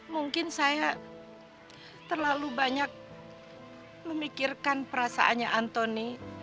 mungkin saya terlalu banyak memikirkan perasaannya antoni